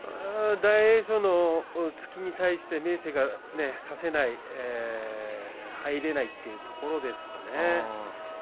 大栄翔の突きに対して明生が差せない入れないというところですよね。